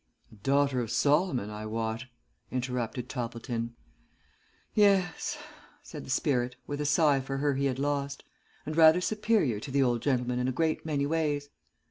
'" "A daughter of Solomon, I wot," interrupted Toppleton. "Yes," said the spirit, with a sigh for her he had lost, "and rather superior to the old gentleman in a great many ways.